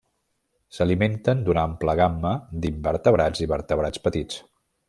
S'alimenten d'una ampla gamma d'invertebrats i vertebrats petits.